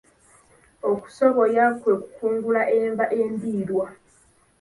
Okusoboya kwe kukungula enva endiirwa.